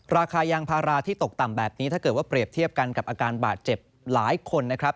ราคายางพาราที่ตกต่ำแบบนี้ถ้าเกิดว่าเปรียบเทียบกันกับอาการบาดเจ็บหลายคนนะครับ